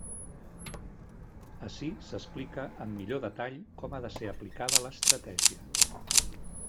Ací s'explica amb millor detall com ha de ser aplicada l'estratègia.